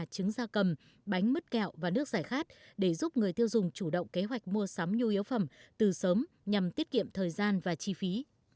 trứng da cầm bánh mứt kẹo và nước giải khát để giúp người tiêu dùng chủ động kế hoạch mua sắm nhu yếu phẩm từ sớm nhằm tiết kiệm thời gian và chi phí